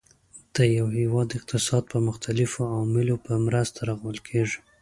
د یو هیواد اقتصاد د مختلفو عواملو په مرسته رغول کیږي.